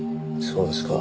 そうですか。